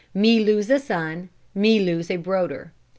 Me lose a son, me lose a broder.